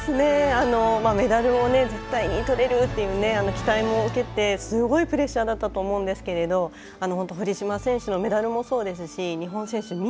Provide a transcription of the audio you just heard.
メダルを絶対にとれるっていう期待も受けてすごいプレッシャーだったと思うんですけれど堀島選手のメダルもそうですし日本選手